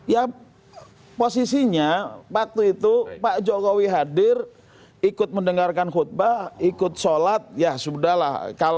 ya posisinya waktu itu pak jokowi hadir ikut mendengarkan khutbah ikut sholat ya sudah lah